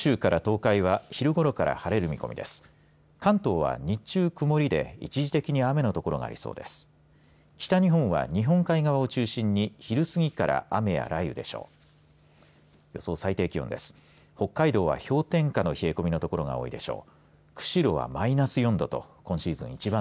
北日本は、日本海側を中心に昼すぎから雨や雷雨でしょう。